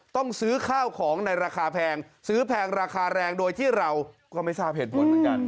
ต้องซื้อข้าวของในราคาแพงซื้อแพงราคาแรงโดยที่เราก็ไม่ทราบเหตุผลเหมือนกัน